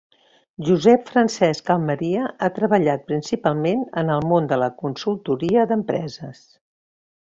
Josep Francesc Almeria ha treballat principalment en el món de la consultoria d'empreses.